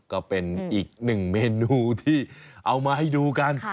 ก็เป็นอีกหนึ่งเมนูที่เอามาให้ดูกัน